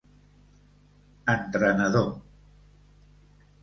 Entrenador: